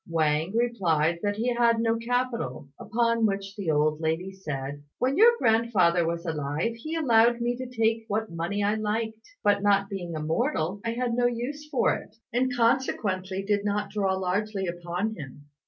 Wang replied that he had no capital; upon which the old lady said, "When your grandfather was alive, he allowed me to take what money I liked; but not being a mortal, I had no use for it, and consequently did not draw largely upon him.